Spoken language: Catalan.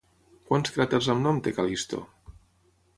Quants cràters amb nom té Cal·listo?